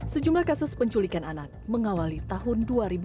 sejumlah kasus penculikan anak mengawali tahun dua ribu dua puluh